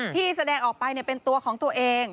ที่แสดงออกไปเป็นตัวของตัวเอง